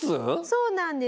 そうなんです。